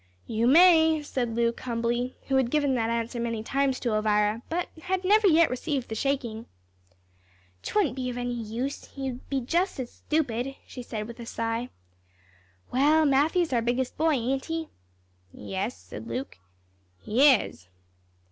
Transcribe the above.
"You may," said Luke, humbly, who had given that answer many times to Elvira, but had never yet received the shaking. "'Twouldn't be any use, you'd be just as stupid," she said with a sigh. "Well, Matthew's our biggest boy, ain't he?" "Yes," said Luke, "he is."